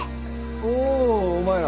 おおお前ら。